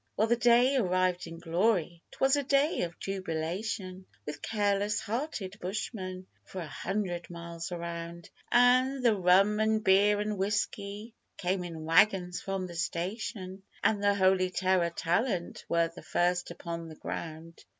Well, the day arrived in glory; 'twas a day of jubilation With careless hearted bushmen for a hundred miles around, An' the rum 'n' beer 'n' whisky came in waggons from the station, An' the Holy Terror talent were the first upon the ground.